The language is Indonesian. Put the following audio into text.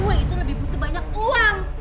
wah itu lebih butuh banyak uang